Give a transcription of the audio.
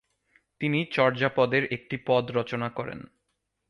তিনি চর্যাপদের একটি পদ রচনা করেন।